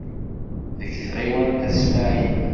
Deg tɣiwant n At Smaɛel.